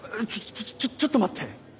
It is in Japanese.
ちょちょっと待って。